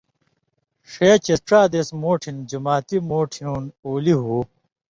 ݜے چےۡ ڇا دېس مُوٹھن جُماتھی مُوٹھیُوں اُلی ہُو